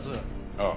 ああ。